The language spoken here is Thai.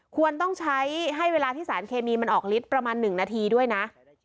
ควรต้องใช้ให้เวลาที่สารเคมีมันออกลิตรประมาณ๑นาทีด้วยนะ